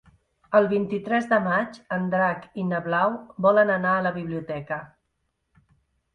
El vint-i-tres de maig en Drac i na Blau volen anar a la biblioteca.